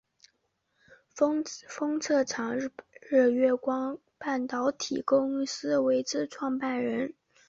封测厂日月光半导体公司之创办人。